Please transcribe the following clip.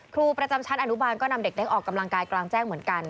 ครูประจำชั้นอนุบาลก็นำเด็กได้ออกกำลังกายกลางแจ้งเหมือนกัน